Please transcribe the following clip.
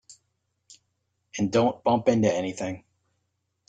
And don't bump into anything.